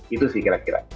itu sih kira kira